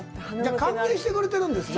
歓迎してくれてるんですね。